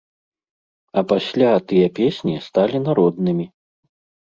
А пасля тыя песні сталі народнымі.